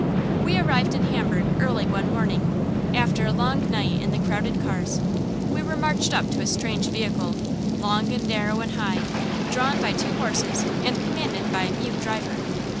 We arrived in Hamburg early one morning, after a long night in the crowded cars. We were marched up to a strange vehicle, long and narrow and high, drawn by two horses and commanded by a mute driver.